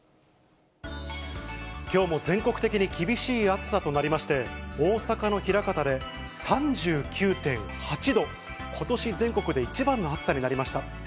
きょうも全国的に厳しい暑さとなりまして、大阪の枚方で、３９．８度、ことし全国で一番の暑さになりました。